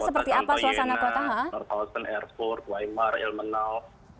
jadi turingan itu banyak kota kota yang lainnya nordhausen airport weimar ilmenau